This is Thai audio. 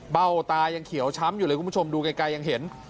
เบ้าตายังเขียวช้ำอยู่เลยคุณผู้ชมดูไกลยังเห็น